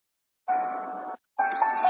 په وحدت مې عقیده ده